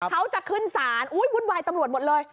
เขาจะขึ้นศาลวุ่นวายตำรวจหมดเลย